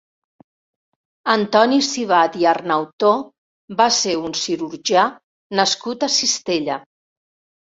Antoni Civat i Arnautó va ser un cirurgià nascut a Cistella.